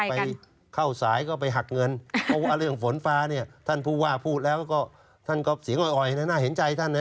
ไปเข้าสายก็ไปหักเงินเพราะว่าเรื่องฝนฟ้าเนี่ยท่านผู้ว่าพูดแล้วก็ท่านก็เสียงอ่อยนะน่าเห็นใจท่านนะ